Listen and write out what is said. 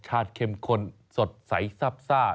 รสชาติเค็มข้นสดใสซับซ่า